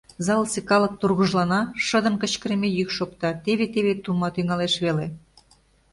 Залысе калык тургыжлана, шыдын кычкырыме йӱк шокта — теве-теве тума тӱҥалеш веле.